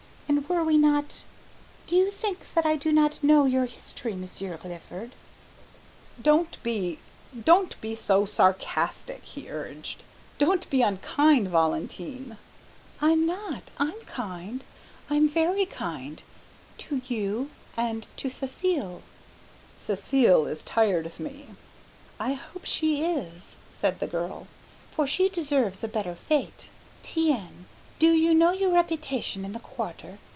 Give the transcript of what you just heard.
And were we not, do you think that I do not know your history, Monsieur Clifford?" "Don't be don't be so sarcastic," he urged; "don't be unkind, Valentine." "I'm not. I'm kind. I'm very kind, to you and to Cécile." "Cécile is tired of me." "I hope she is," said the girl, "for she deserves a better fate. Tiens, do you know your reputation in the Quarter?